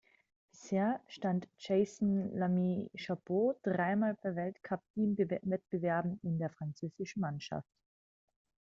Bisher stand Jason Lamy Chappuis dreimal bei Weltcup-Teamwettbewerben in der französischen Mannschaft.